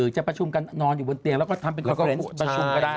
จะประชุมกันนอนอยู่บนเตียงแล้วก็ทำเป็นคนประชุมก็ได้